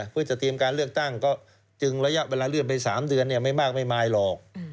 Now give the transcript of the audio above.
เพื่อจะเตรียมการเลือกตั้งก็จึงระยะเวลาเลื่อนไป๓เดือนไม่มากไม่มายหรอก